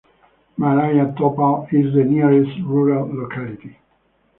Malaya Topal is the nearest rural locality.